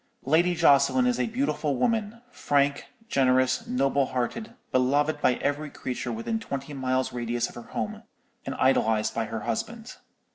Lady Jocelyn is a beautiful woman, frank, generous, noble hearted, beloved by every creature within twenty miles' radius of her home, and idolized by her husband.